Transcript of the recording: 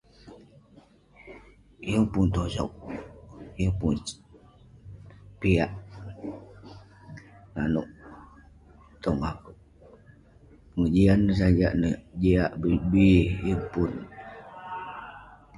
Yeng pun tosog, yeng pun piak nanouk tong akouk. Jiak. Sajak neh jiak bi bi, yeng pun-